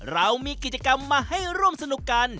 เรามีกิจกรรมมาให้ร่วมสนุกกัน